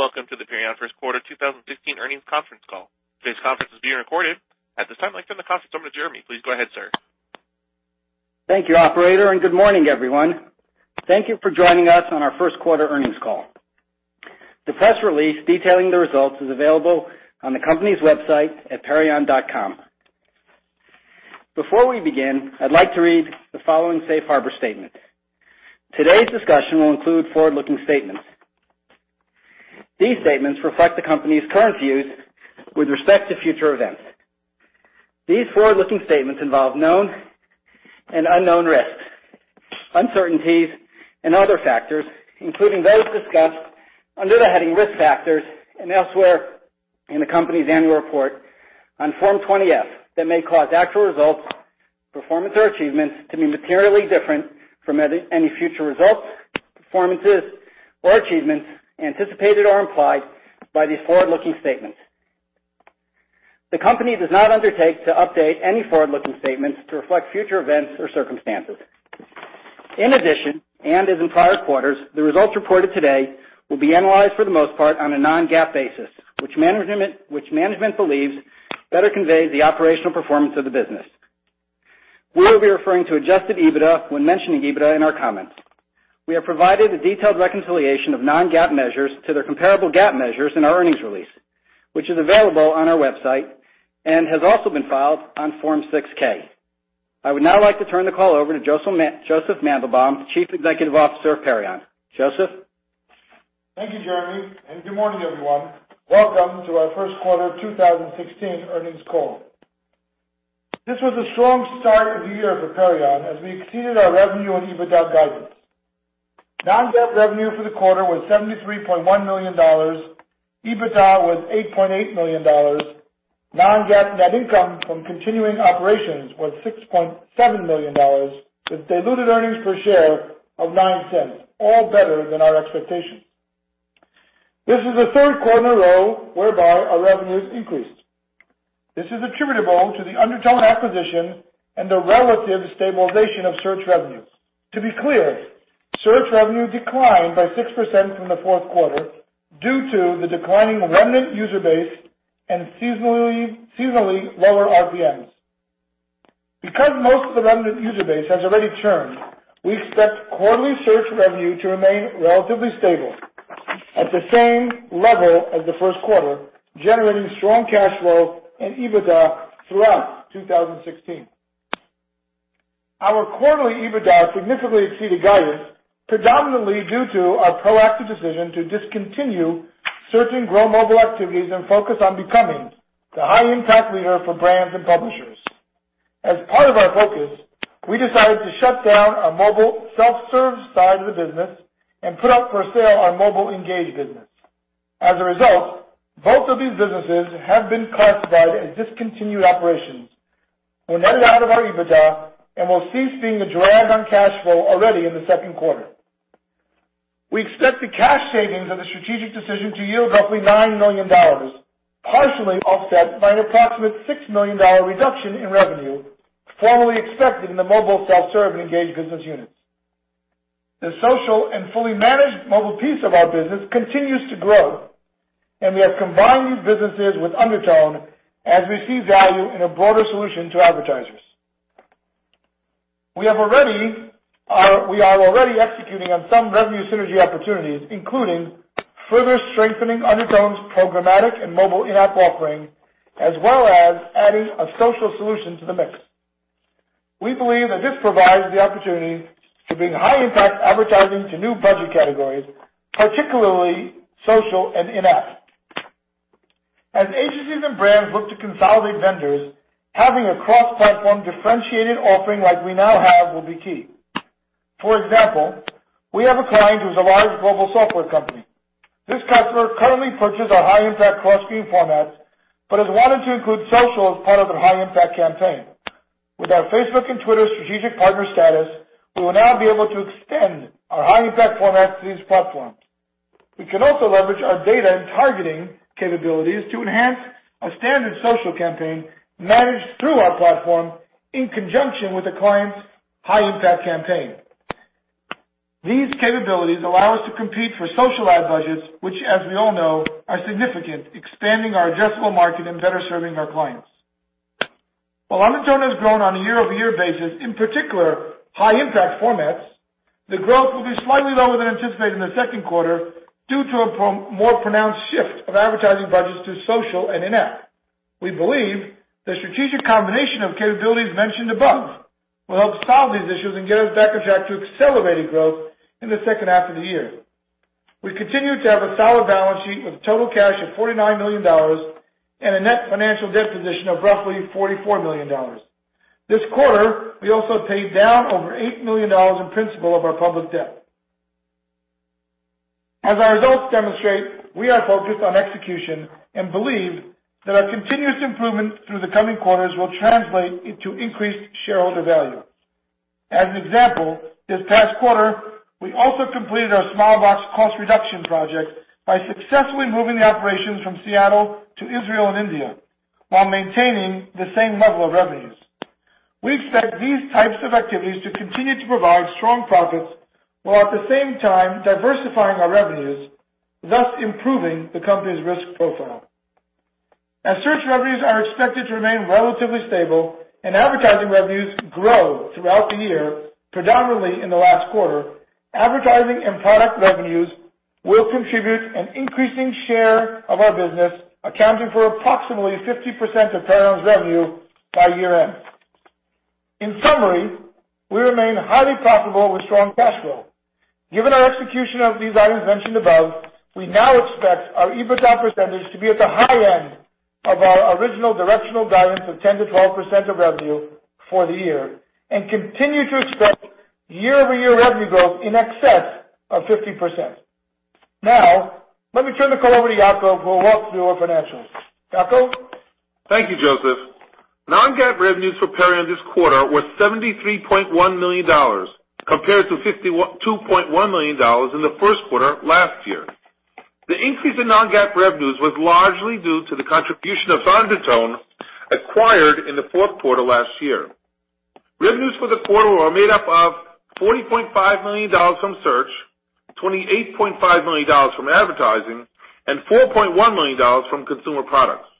Good day. Welcome to the Perion first quarter 2016 earnings conference call. Today's conference is being recorded. At this time, I'd like to turn the conference over to Jeremy. Please go ahead, sir. Thank you, operator, and good morning, everyone. Thank you for joining us on our first quarter earnings call. The press release detailing the results is available on the company's website at perion.com. Before we begin, I'd like to read the following safe harbor statement. Today's discussion will include forward-looking statements. These statements reflect the company's current views with respect to future events. These forward-looking statements involve known and unknown risks, uncertainties, and other factors, including those discussed under the heading Risk Factors and elsewhere in the company's annual report on Form 20-F, that may cause actual results, performance, or achievements to be materially different from any future results, performances, or achievements anticipated or implied by these forward-looking statements. The company does not undertake to update any forward-looking statements to reflect future events or circumstances. In addition, and as in prior quarters, the results reported today will be analyzed for the most part on a non-GAAP basis, which management believes better conveys the operational performance of the business. We will be referring to adjusted EBITDA when mentioning EBITDA in our comments. We have provided a detailed reconciliation of non-GAAP measures to their comparable GAAP measures in our earnings release, which is available on our website and has also been filed on Form 6-K. I would now like to turn the call over to Josef Mandelbaum, Chief Executive Officer of Perion. Josef? Thank you, Jeremy, and good morning, everyone. Welcome to our first quarter 2016 earnings call. This was a strong start of the year for Perion as we exceeded our revenue and EBITDA guidance. Non-GAAP revenue for the quarter was $73.1 million. EBITDA was $8.8 million. Non-GAAP net income from continuing operations was $6.7 million, with diluted earnings per share of $0.09, all better than our expectations. This is the third quarter in a row whereby our revenues increased. This is attributable to the Undertone acquisition and the relative stabilization of search revenues. To be clear, search revenue declined by 6% from the fourth quarter due to the declining remnant user base and seasonally lower RPMs. Because most of the remnant user base has already churned, we expect quarterly search revenue to remain relatively stable at the same level as the first quarter, generating strong cash flow and EBITDA throughout 2016. Our quarterly EBITDA significantly exceeded guidance, predominantly due to our proactive decision to discontinue certain Grow Mobile activities and focus on becoming the high-impact leader for brands and publishers. As part of our focus, we decided to shut down our mobile self-serve side of the business and put up for sale our Mobile Engage business. As a result, both of these businesses have been classified as discontinued operations and netted out of our EBITDA and will cease being a drag on cash flow already in the second quarter. We expect the cash savings of the strategic decision to yield roughly $9 million, partially offset by an approximate $6 million reduction in revenue formerly expected in the mobile self-serve and Engage business units. The social and fully managed mobile piece of our business continues to grow, and we have combined these businesses with Undertone as we see value in a broader solution to advertisers. We are already executing on some revenue synergy opportunities, including further strengthening Undertone's programmatic and mobile in-app offering, as well as adding a social solution to the mix. We believe that this provides the opportunity to bring high-impact advertising to new budget categories, particularly social and in-app. As agencies and brands look to consolidate vendors, having a cross-platform differentiated offering like we now have will be key. For example, we have a client who's a large global software company. This customer currently purchases our high-impact cross-screen formats but has wanted to include social as part of their high-impact campaign. With our Facebook and Twitter strategic partner status, we will now be able to extend our high-impact formats to these platforms. We can also leverage our data and targeting capabilities to enhance a standard social campaign managed through our platform in conjunction with a client's high-impact campaign. These capabilities allow us to compete for social ad budgets, which, as we all know, are significant, expanding our addressable market and better serving our clients. While Undertone has grown on a year-over-year basis, in particular high-impact formats, the growth will be slightly lower than anticipated in the second quarter due to a more pronounced shift of advertising budgets to social and in-app. We believe the strategic combination of capabilities mentioned above will help solve these issues and get us back on track to accelerating growth in the second half of the year. We continue to have a solid balance sheet with total cash of $49 million and a net financial debt position of roughly $44 million. This quarter, we also paid down over $8 million in principal of our public debt. As our results demonstrate, we are focused on execution and believe that our continuous improvement through the coming quarters will translate into increased shareholder value. As an example, this past quarter, we also completed our Smilebox cost reduction project by successfully moving the operations from Seattle to Israel and India while maintaining the same level of revenues. We expect these types of activities to continue to provide strong profits, while at the same time diversifying our revenues, thus improving the company's risk profile. As search revenues are expected to remain relatively stable and advertising revenues grow throughout the year, predominantly in the last quarter, advertising and product revenues will contribute an increasing share of our business, accounting for approximately 50% of Perion's revenue by year-end. In summary, we remain highly profitable with strong cash flow. Given our execution of these items mentioned above, we now expect our EBITDA percentage to be at the high end of our original directional guidance of 10%-12% of revenue for the year and continue to expect year-over-year revenue growth in excess of 50%. Let me turn the call over to Yacov, who will walk through our financials. Yacov? Thank you, Josef. Non-GAAP revenues for Perion this quarter were $73.1 million compared to $52.1 million in the first quarter last year. The increase in non-GAAP revenues was largely due to the contribution of Undertone, acquired in the fourth quarter last year. Revenues for the quarter were made up of $40.5 million from search, $28.5 million from advertising, and $4.1 million from consumer products.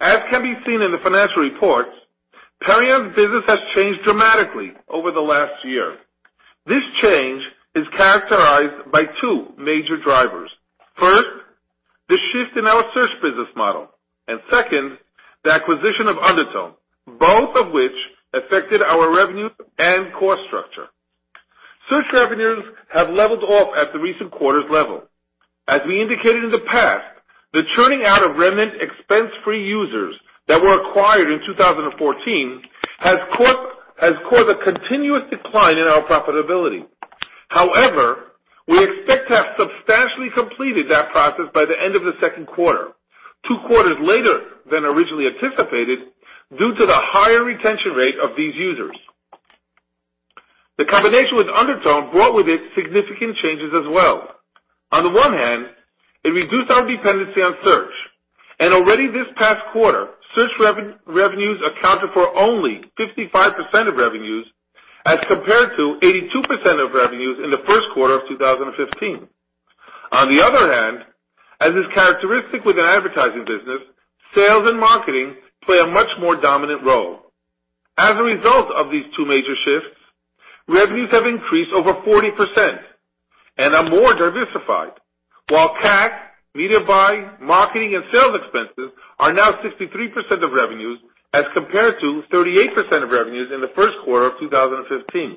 As can be seen in the financial reports, Perion's business has changed dramatically over the last year. This change is characterized by two major drivers. First, the shift in our search business model. Second, the acquisition of Undertone, both of which affected our revenue and cost structure. Search revenues have leveled off at the recent quarter's level. As we indicated in the past, the churning out of remnant expense-free users that were acquired in 2014 has caused a continuous decline in our profitability. However, we expect to have substantially completed that process by the end of the second quarter, two quarters later than originally anticipated, due to the higher retention rate of these users. The combination with Undertone brought with it significant changes as well. On the one hand, it reduced our dependency on search. Already this past quarter, search revenues accounted for only 55% of revenues as compared to 82% of revenues in the first quarter of 2015. On the other hand, as is characteristic with an advertising business, sales and marketing play a much more dominant role. As a result of these two major shifts, revenues have increased over 40% and are more diversified. While CAC, media buy, marketing, and sales expenses are now 63% of revenues as compared to 38% of revenues in the first quarter of 2015.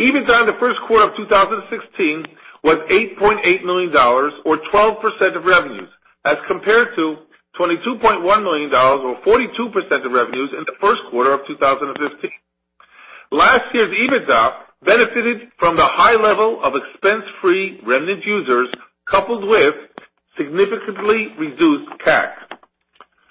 EBITDA in the first quarter of 2016 was $8.8 million or 12% of revenues, as compared to $22.1 million or 42% of revenues in the first quarter of 2015. Last year's EBITDA benefited from the high level of expense-free remnant users, coupled with significantly reduced CAC.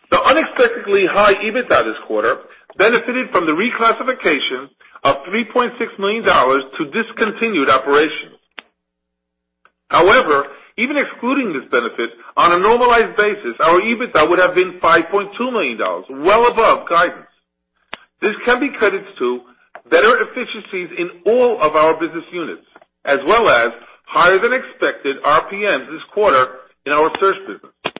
The unexpectedly high EBITDA this quarter benefited from the reclassification of $3.6 million to discontinued operations. However, even excluding this benefit, on a normalized basis, our EBITDA would have been $5.2 million, well above guidance. This can be credited to better efficiencies in all of our business units, as well as higher than expected RPMs this quarter in our search business.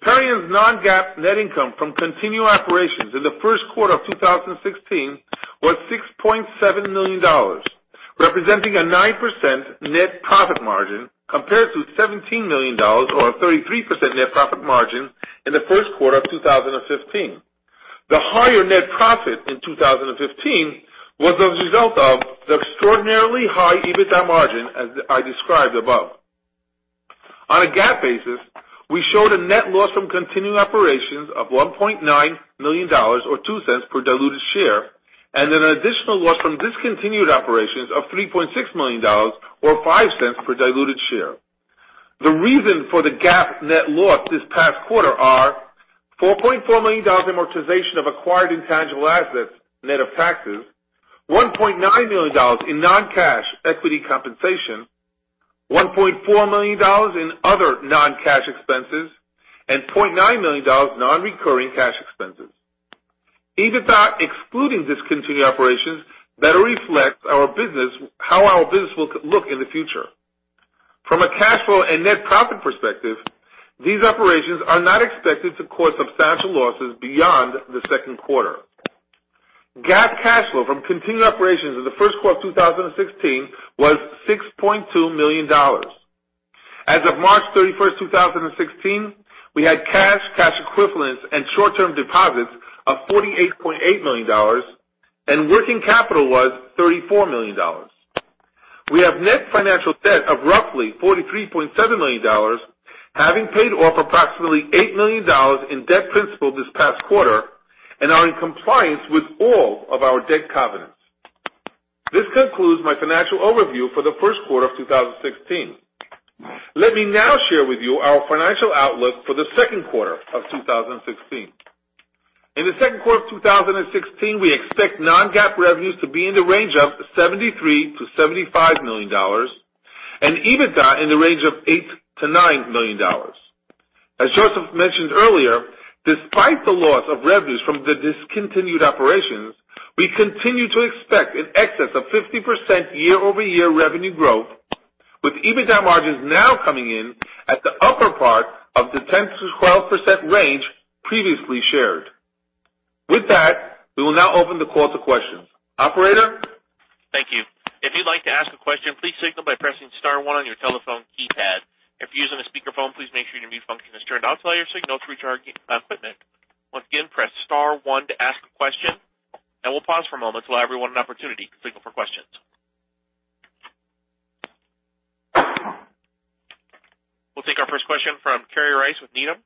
Perion's non-GAAP net income from continued operations in the first quarter of 2016 was $6.7 million, representing a 9% net profit margin, compared to $17 million or a 33% net profit margin in the first quarter of 2015. The higher net profit in 2015 was as a result of the extraordinarily high EBITDA margin, as I described above. On a GAAP basis, we showed a net loss from continuing operations of $1.9 million or $0.02 per diluted share, and an additional loss from discontinued operations of $3.6 million or $0.05 per diluted share. The reason for the GAAP net loss this past quarter are $4.4 million amortization of acquired intangible assets, net of taxes, $1.9 million in non-cash equity compensation, $1.4 million in other non-cash expenses, and $0.9 million non-recurring cash expenses. EBITDA excluding discontinued operations better reflects how our business will look in the future. From a cash flow and net profit perspective, these operations are not expected to cause substantial losses beyond the second quarter. GAAP cash flow from continued operations in the first quarter of 2016 was $6.2 million. As of March 31st, 2016, we had cash equivalents, and short-term deposits of $48.8 million, and working capital was $34 million. We have net financial debt of roughly $43.7 million, having paid off approximately $8 million in debt principal this past quarter and are in compliance with all of our debt covenants. This concludes my financial overview for the first quarter of 2016. Let me now share with you our financial outlook for the second quarter of 2016. In the second quarter of 2016, we expect non-GAAP revenues to be in the range of $73 million-$75 million. EBITDA in the range of $8 million-$9 million. As Josef mentioned earlier, despite the loss of revenues from the discontinued operations, we continue to expect in excess of 50% year-over-year revenue growth, with EBITDA margins now coming in at the upper part of the 10%-12% range previously shared. With that, we will now open the call to questions. Operator? Thank you. If you'd like to ask a question, please signal by pressing star one on your telephone keypad. If you're using a speakerphone, please make sure your mute function is turned off so your signal through to our equipment. Once again, press star one to ask a question. We'll pause for a moment to allow everyone an opportunity to signal for questions. We'll take our first question from Kerry Rice with Needham.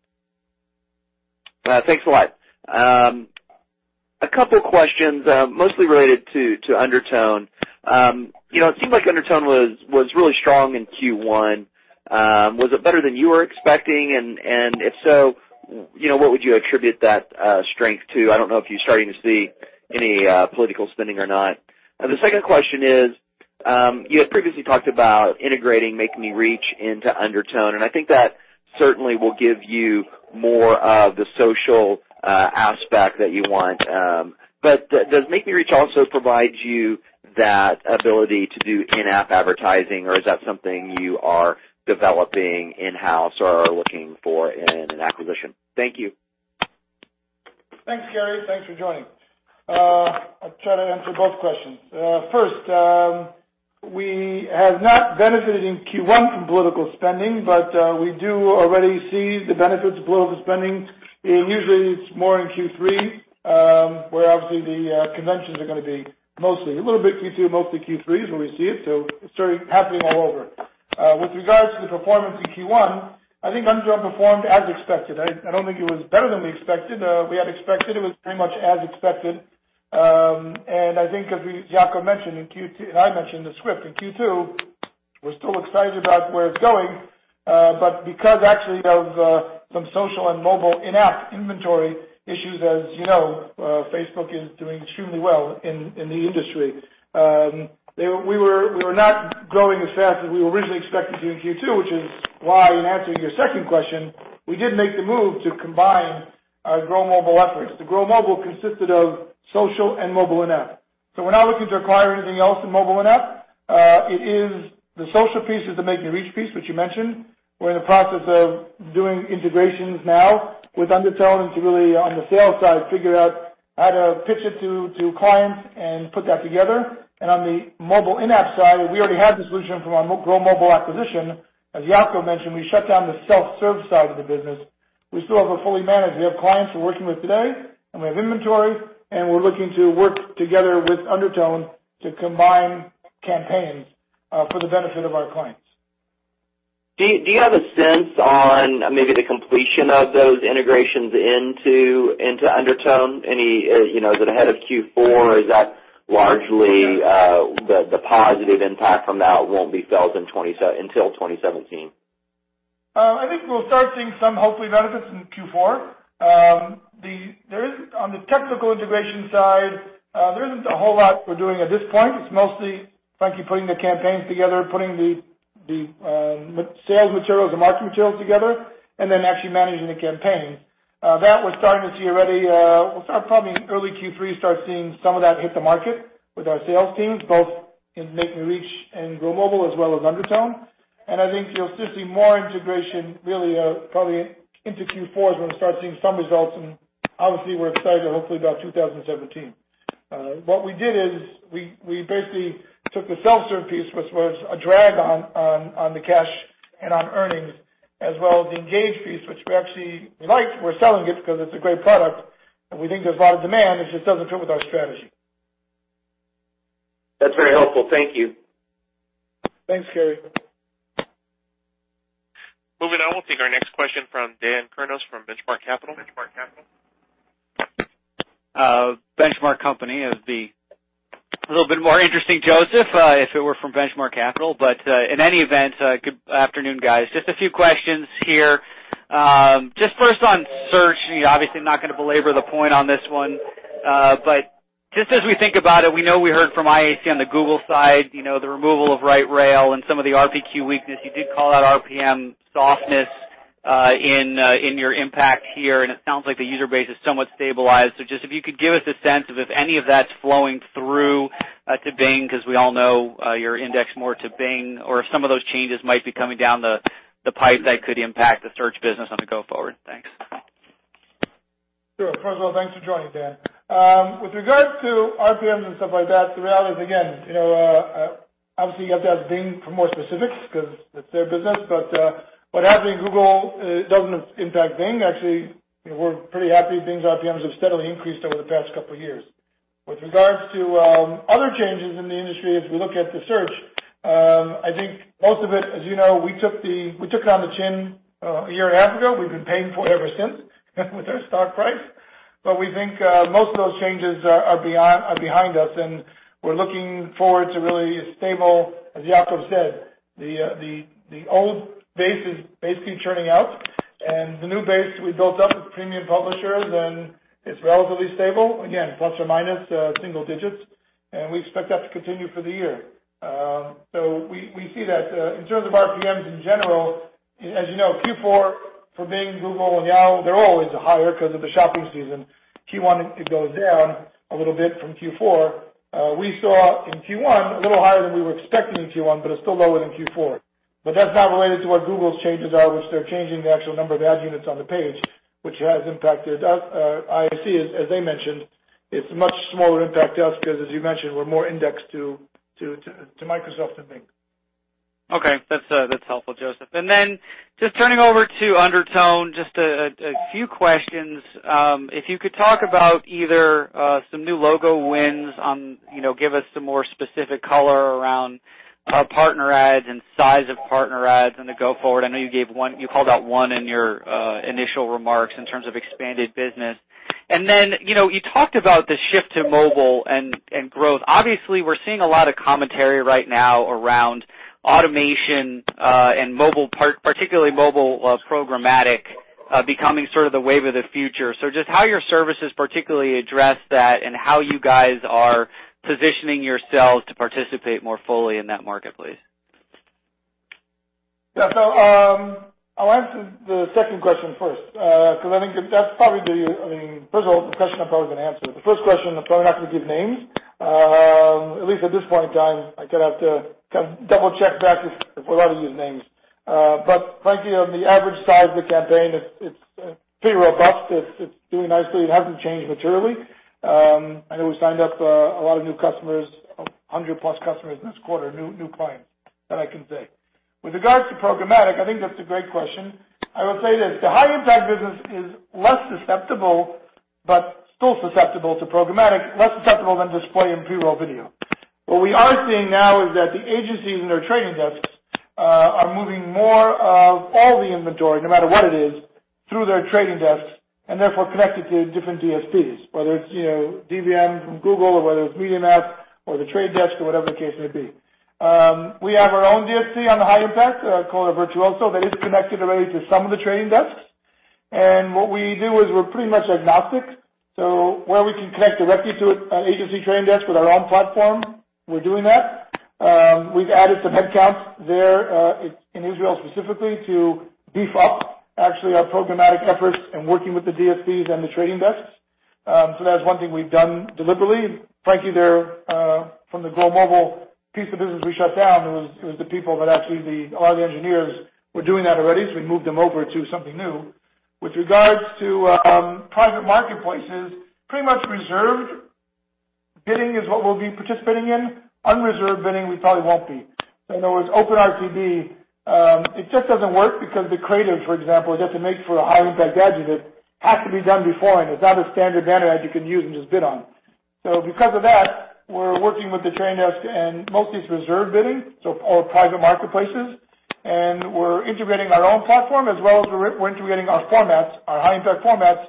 Thanks a lot. A couple questions, mostly related to Undertone. It seemed like Undertone was really strong in Q1. Was it better than you were expecting? If so, what would you attribute that strength to? I don't know if you're starting to see any political spending or not. The second question is, you had previously talked about integrating MakeMeReach into Undertone, and I think that certainly will give you more of the social aspect that you want. Does MakeMeReach also provide you that ability to do in-app advertising, or is that something you are developing in-house or are looking for in an acquisition? Thank you. Thanks, Kerry. Thanks for joining. I'll try to answer both questions. First, we have not benefited in Q1 from political spending. We do already see the benefits of political spending. Usually, it's more in Q3, where obviously the conventions are going to be. A little bit Q2, mostly Q3 is when we see it, so it's sort of happening all over. With regards to the performance in Q1, I think Undertone performed as expected. I don't think it was better than we expected. We had expected it was pretty much as expected. I think as Yacov mentioned, and I mentioned, the script in Q2, we're still excited about where it's going. Because actually of some social and mobile in-app inventory issues, as you know, Facebook is doing extremely well in the industry. We were not growing as fast as we originally expected to in Q2, which is why, in answering your second question, we did make the move to combine our Grow Mobile efforts. The Grow Mobile consisted of social and mobile in-app. We're not looking to acquire anything else in mobile in-app. The social piece is the MakeMeReach piece, which you mentioned. We're in the process of doing integrations now with Undertone to really, on the sales side, figure out how to pitch it to clients and put that together. On the mobile in-app side, we already had the solution from our Grow Mobile acquisition. As Yacov mentioned, we shut down the self-serve side of the business. We still have it fully managed. We have clients we're working with today, we have inventory, and we're looking to work together with Undertone to combine campaigns for the benefit of our clients. Do you have a sense on maybe the completion of those integrations into Undertone? Is it ahead of Q4? Is that largely the positive impact from that won't be felt until 2017? I think we'll start seeing some, hopefully, benefits in Q4. On the technical integration side, there isn't a whole lot we're doing at this point. It's mostly frankly, putting the campaigns together, putting the sales materials and marketing materials together, then actually managing the campaign. That we're starting to see already. We'll start probably in early Q3, start seeing some of that hit the market with our sales teams, both in MakeMeReach and Grow Mobile, as well as Undertone. I think you'll see more integration really probably into Q4 is when we start seeing some results, and obviously we're excited hopefully about 2017. What we did is we basically took the self-serve piece, which was a drag on the cash and on earnings, as well as the Mobile Engage piece, which we actually like. We're selling it because it's a great product, and we think there's a lot of demand. It just doesn't fit with our strategy. That's very helpful. Thank you. Thanks, Kerry. Moving on. We'll take our next question from Dan Kurnos from The Benchmark Company. Benchmark Company. It would be a little bit more interesting, Josef, if it were from Benchmark Capital. In any event, good afternoon, guys. A few questions here. First on search. I'm not going to belabor the point on this one. As we think about it, we know we heard from IAC on the Google side, the removal of Right rail and some of the RPQ weakness. You did call out RPM softness in your impact here, and it sounds like the user base is somewhat stabilized. If you could give us a sense of if any of that's flowing through to Bing, because we all know you're indexed more to Bing, or if some of those changes might be coming down the pipe that could impact the search business on the go forward. Thanks. Sure. First of all, thanks for joining, Dan. With regards to RPMs and stuff like that, the reality is, again, you have to ask Bing for more specifics because it's their business. What happens at Google doesn't impact Bing. Actually, we're pretty happy Bing's RPMs have steadily increased over the past 2 years. With regards to other changes in the industry, as we look at the search, I think most of it, as you know, we took it on the chin a year and a half ago. We've been paying for it ever since with our stock price. We think most of those changes are behind us, and we're looking forward to really a stable, as Yacov said, the old base is basically churning out. The new base we built up with premium publishers, and it's relatively stable. Plus or minus single digits, we expect that to continue for the year. We see that. In terms of RPMs in general, as you know, Q4 for Bing, Google, and Yahoo, they're always higher because of the shopping season. Q1, it goes down a little bit from Q4. We saw in Q1 a little higher than we were expecting in Q1, it's still lower than Q4. That's not related to what Google's changes are, which they're changing the actual number of ad units on the page, which has impacted IAC, as they mentioned. It's a much smaller impact to us because, as you mentioned, we're more indexed to Microsoft than Bing. Okay. That's helpful, Josef. Just turning over to Undertone, just a few questions. If you could talk about either some new logo wins, give us some more specific color around partner ads and size of partner ads on the go forward. I know you called out one in your initial remarks in terms of expanded business. You talked about the shift to mobile and growth. Obviously, we're seeing a lot of commentary right now around automation and particularly mobile programmatic becoming sort of the wave of the future. Just how your services particularly address that and how you guys are positioning yourselves to participate more fully in that market, please. Yeah. I'll answer the second question first, because I think that's probably the result of the question I'm probably going to answer. The first question, I'm probably not going to give names. At least at this point in time, I'd have to double-check back if we're allowed to use names. Frankly, on the average size of the campaign, it's pretty robust. It's doing nicely. It hasn't changed materially. I know we signed up a lot of new customers, 100-plus customers this quarter, new clients that I can say. With regards to programmatic, I think that's a great question. I will say this, the high impact business is less susceptible, but still susceptible to programmatic, less susceptible than display and pre-roll video. What we are seeing now is that the agencies and their trading desks are moving more of all the inventory, no matter what it is, through their trading desks, and therefore connected to different DSPs, whether it's DBM from Google or whether it's MediaMath or The Trade Desk or whatever the case may be. We have our own DSP on the high impact called Virtuoso that is connected already to some of the trading desks. What we do is we're pretty much agnostic. Where we can connect directly to an agency trading desk with our own platform, we're doing that. We've added some headcount there, in Israel specifically, to beef up actually our programmatic efforts and working with the DSPs and the trading desks. That's one thing we've done deliberately. Frankly, from the Grow Mobile piece of business we shut down, it was the people that actually, a lot of the engineers were doing that already, so we moved them over to something new. With regards to private marketplaces, pretty much reserved bidding is what we'll be participating in. Unreserved bidding, we probably won't be. In other words, open RTB. It just doesn't work because the creative, for example, it has to make for a high-impact ad unit, has to be done beforehand. It's not a standard banner ad you can use and just bid on. Because of that, we're working with The Trade Desk and mostly it's reserved bidding, so all private marketplaces, and we're integrating our own platform as well as we're integrating our formats, our high-impact formats,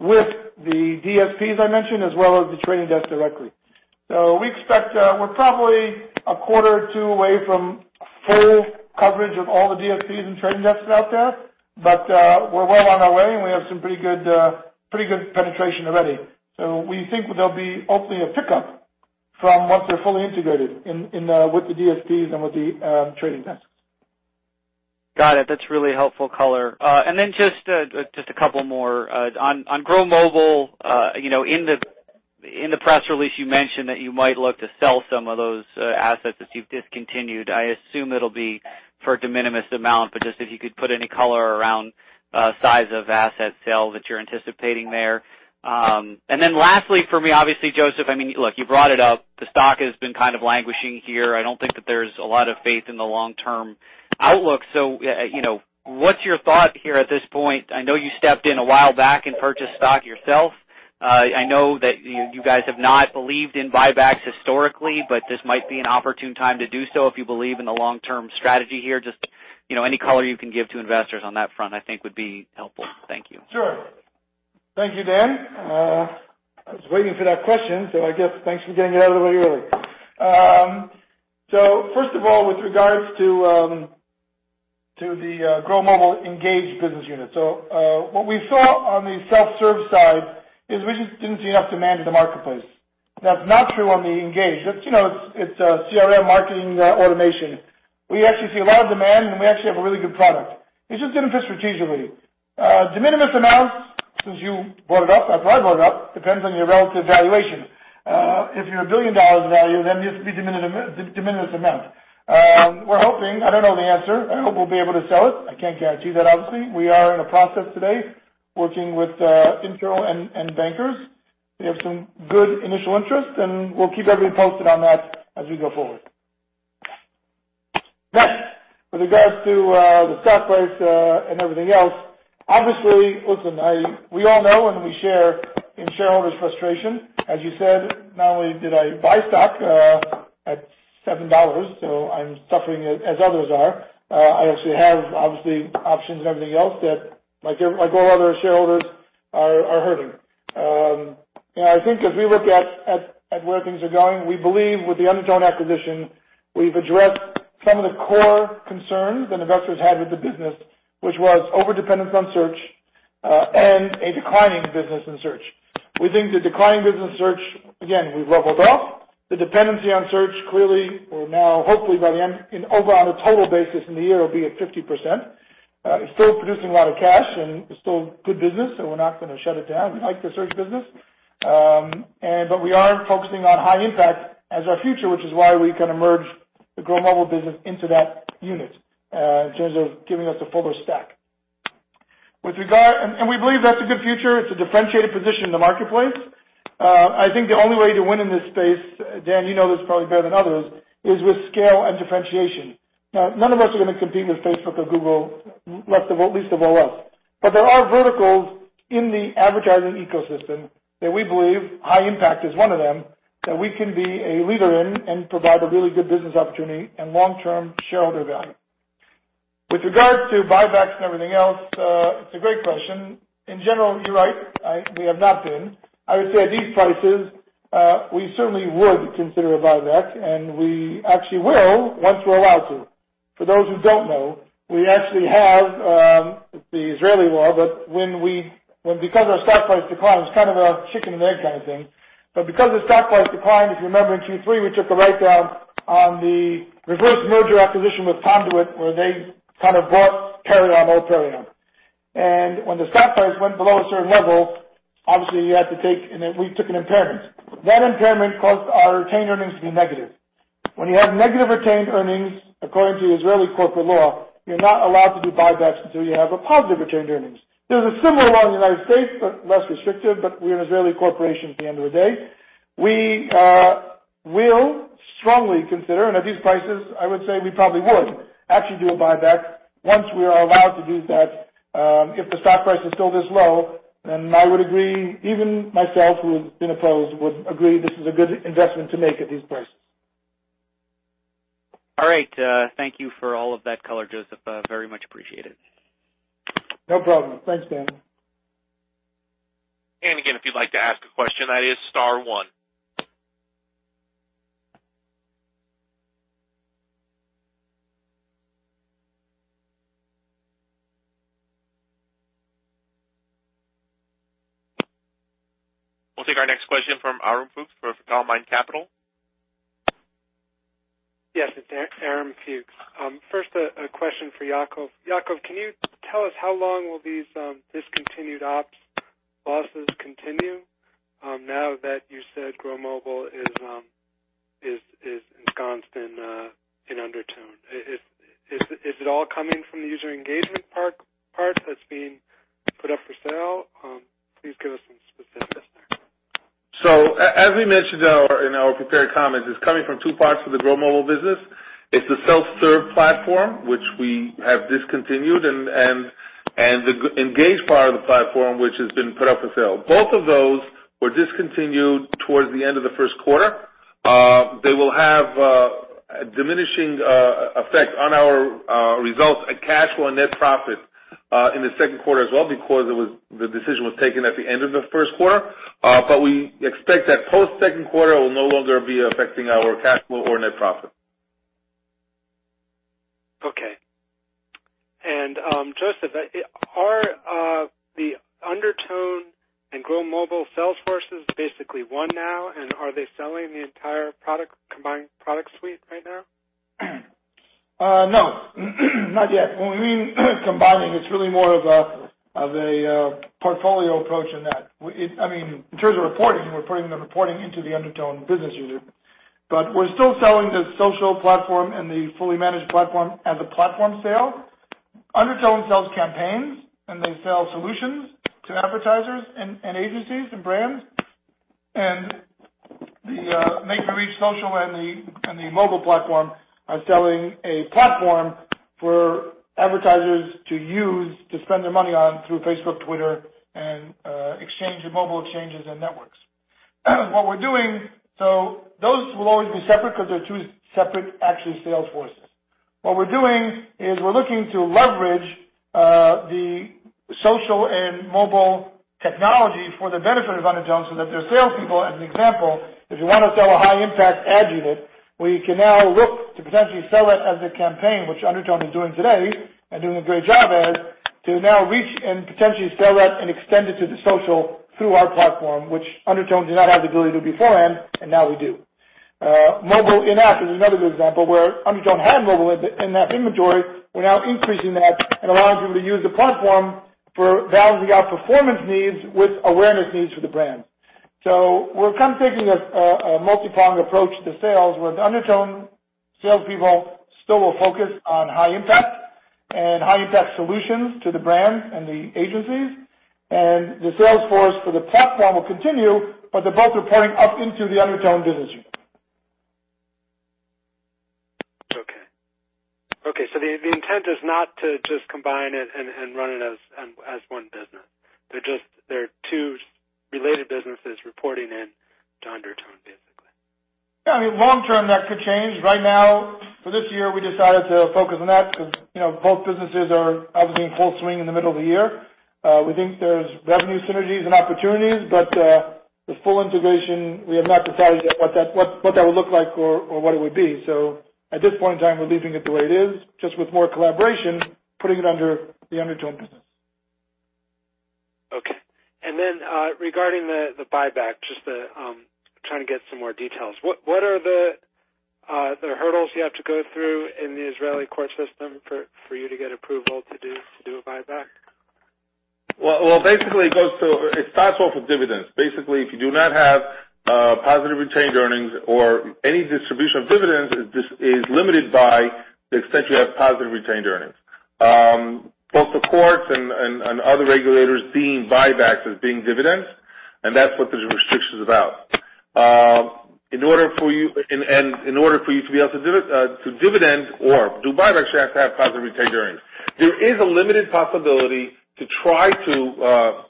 with the DSPs I mentioned, as well as The Trade Desk directly. We expect we're probably a quarter or two away from full coverage of all the DSPs and trading desks out there, but we're well on our way, and we have some pretty good penetration already. We think there'll be hopefully a pickup from once we're fully integrated with the DSPs and with The Trade Desk. Got it. That's really helpful color. Just a couple more. On Grow Mobile, in the press release, you mentioned that you might look to sell some of those assets that you've discontinued. I assume it'll be for a de minimis amount, but just if you could put any color around size of asset sale that you're anticipating there. Lastly for me, obviously, Josef, look, you brought it up. The stock has been kind of languishing here. I don't think that there's a lot of faith in the long-term outlook. What's your thought here at this point? I know you stepped in a while back and purchased stock yourself. I know that you guys have not believed in buybacks historically, but this might be an opportune time to do so if you believe in the long-term strategy here. Just any color you can give to investors on that front, I think would be helpful. Thank you. Sure. Thank you, Dan. I was waiting for that question, thanks for getting it out of the way early. First of all, with regards to the Mobile Engage business unit. What we saw on the self-serve side is we just didn't see enough demand in the marketplace. That's not true on the Engage. It's CRM marketing automation. We actually see a lot of demand, and we actually have a really good product. It just didn't fit strategically. De minimis amounts, since you brought it up, after I brought it up, depends on your relative valuation. If you're a $1 billion in value, then it'd be de minimis amount. We're hoping, I don't know the answer. I hope we'll be able to sell it. I can't guarantee that, obviously. We are in a process today working with info and bankers. We have some good initial interest, we'll keep everybody posted on that as we go forward. Next, with regards to the stock price and everything else. Obviously, listen, we all know and we share in shareholders' frustration. As you said, not only did I buy stock at $7, I'm suffering as others are. I actually have, obviously, options and everything else that, like all other shareholders, are hurting. I think as we look at where things are going, we believe with the Undertone acquisition, we've addressed some of the core concerns that investors had with the business, which was over-dependence on search, and a declining business in search. We think the decline business search, again, we've leveled off. The dependency on search clearly will now, hopefully, on a total basis in the year, will be at 50%. It's still producing a lot of cash, it's still good business, we're not going to shut it down. We like the search business. We are focusing on high impact as our future, which is why we kind of merge the Grow Mobile business into that unit, in terms of giving us a fuller stack. We believe that's a good future. It's a differentiated position in the marketplace. I think the only way to win in this space, Dan, you know this probably better than others, is with scale and differentiation. None of us are going to compete with Facebook or Google, least of all us. There are verticals in the advertising ecosystem that we believe, high impact is one of them, that we can be a leader in and provide a really good business opportunity and long-term shareholder value. With regards to buybacks and everything else, it's a great question. In general, you're right. We have not been. I would say at these prices, we certainly would consider a buyback, we actually will once we're allowed to. For those who don't know, we actually have the Israeli law, because our stock price declined, it's kind of a chicken and egg kind of thing. Because the stock price declined, if you remember in Q3, we took a write-down on the reverse merger acquisition with Conduit, where they kind of bought Perion, old Perion. When the stock price went below a certain level, obviously we took an impairment. That impairment caused our retained earnings to be negative. When you have negative retained earnings, according to Israeli corporate law, you're not allowed to do buybacks until you have a positive retained earnings. There's a similar law in the U.S., but less restrictive, but we're an Israeli corporation at the end of the day. We will strongly consider, at these prices, I would say we probably would actually do a buyback once we are allowed to do that. If the stock price is still this low, I would agree, even myself, who's been opposed, would agree this is a good investment to make at these prices. All right. Thank you for all of that color, Josef. Very much appreciated. No problem. Thanks, Dan. Again, if you'd like to ask a question, that is star one. We'll take our next question from Aram Fuchs for Fertilemind Capital. Yes, it's Aram Fuchs. First, a question for Yacov. Yacov, can you tell us how long will these discontinued ops losses continue now that you said Grow Mobile is ensconced in Undertone? Is it all coming from the user engagement part that's being put up for sale? Please give us some specifics there. As we mentioned in our prepared comments, it's coming from two parts of the Grow Mobile business. It's the self-serve platform, which we have discontinued, and the engaged part of the platform, which has been put up for sale. Both of those were discontinued towards the end of the first quarter. They will have a diminishing effect on our results at cash flow and net profit, in the second quarter as well, because the decision was taken at the end of the first quarter. We expect that post-second quarter, it will no longer be affecting our cash flow or net profit. Okay. Josef, are the Undertone and Grow Mobile sales forces basically one now, and are they selling the entire combined product suite right now? No, not yet. When we mean combining, it's really more of a portfolio approach in that. In terms of reporting, we're putting the reporting into the Undertone business unit. We're still selling the social platform and the fully managed platform as a platform sale. Undertone sells campaigns, and they sell solutions to advertisers and agencies and brands. The MakeMeReach Social and the mobile platform are selling a platform for advertisers to use to spend their money on through Facebook, Twitter, and mobile exchanges and networks. Those will always be separate because they're two separate actual sales forces. What we're doing is we're looking to leverage the social and mobile technology for the benefit of Undertone, so that their salespeople, as an example, if you want to sell a high-impact ad unit, we can now look to potentially sell it as a campaign, which Undertone is doing today, and doing a great job at, to now reach and potentially sell that and extend it to the social through our platform, which Undertone did not have the ability to beforehand, and now we do. Mobile in-app is another good example where Undertone had mobile in-app inventory. We're now increasing that and allowing people to use the platform for balancing out performance needs with awareness needs for the brand. We're kind of taking a multi-pronged approach to sales, where the Undertone salespeople still will focus on high impact and high-impact solutions to the brands and the agencies, and the sales force for the platform will continue, but they're both reporting up into the Undertone business unit. Okay. The intent is not to just combine it and run it as one business. They're two related businesses reporting in to Undertone. Yeah, long term that could change. Right now, for this year, we decided to focus on that because both businesses are, as being full swing in the middle of the year. We think there's revenue synergies and opportunities, but the full integration, we have not decided yet what that would look like or what it would be. At this point in time, we're leaving it the way it is, just with more collaboration, putting it under the Undertone business. Okay. Regarding the buyback, just trying to get some more details. What are the hurdles you have to go through in the Israeli court system for you to get approval to do a buyback? Well, basically, it starts off with dividends. Basically, if you do not have positive retained earnings or any distribution of dividends, it is limited by the extent you have positive retained earnings. Both the courts and other regulators deem buybacks as being dividends, and that's what this restriction's about. In order for you to be able to dividend or do buybacks, you have to have positive retained earnings. There is a limited possibility to try to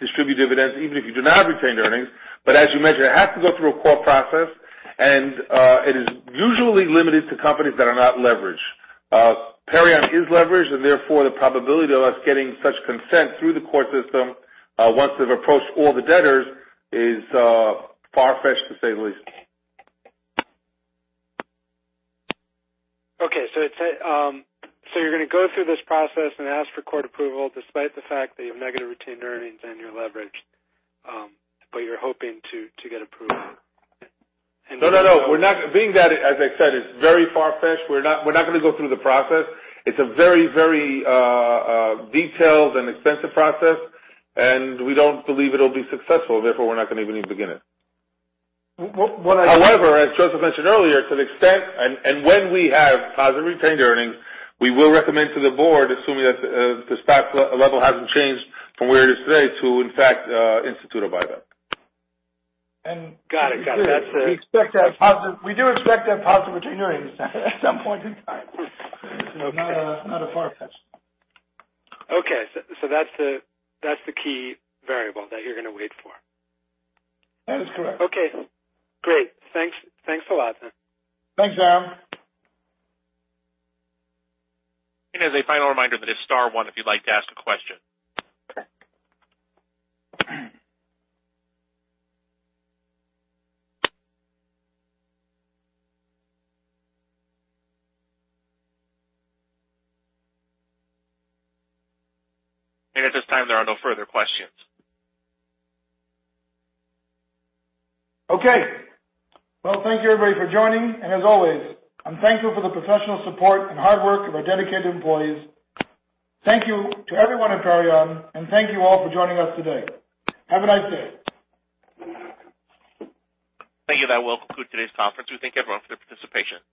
distribute dividends, even if you do not have retained earnings, but as you mentioned, it has to go through a court process, and it is usually limited to companies that are not leveraged. Perion is leveraged, and therefore, the probability of us getting such consent through the court system, once they've approached all the debtors, is far-fetched, to say the least. Okay. You're going to go through this process and ask for court approval despite the fact that you have negative retained earnings and you're leveraged, but you're hoping to get approval. No, no. Being that, as I said, it's very far-fetched, we're not going to go through the process. It's a very, very detailed and extensive process, and we don't believe it'll be successful, therefore, we're not going to even begin it. What I- However, as Josef mentioned earlier, to an extent, and when we have positive retained earnings, we will recommend to the board, assuming that the stock level hasn't changed from where it is today, to in fact, institute a buyback. Got it. That's it. We do expect to have positive retained earnings at some point in time. It's not a farfetched. Okay. That's the key variable that you're going to wait for. That is correct. Okay, great. Thanks a lot. Thanks, Aram. As a final reminder, that is star one if you'd like to ask a question. At this time, there are no further questions. Okay. Well, thank you, everybody, for joining. As always, I'm thankful for the professional support and hard work of our dedicated employees. Thank you to everyone at Perion, and thank you all for joining us today. Have a nice day. Thank you. That will conclude today's conference. We thank everyone for their participation.